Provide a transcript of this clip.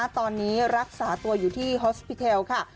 ตอนนี้รักษาตัวอยู่ที่ฮอสปิเทลค่ะ